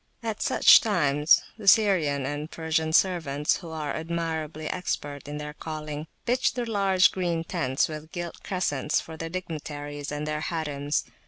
At such times the Syrian and Persian servants, who are admirably expert in their calling, pitch the large green tents, with gilt crescents, for the dignitaries and their harims.